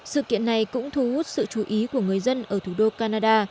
sự kiện này cũng thu hút sự chú ý của người dân ở thủ đô canada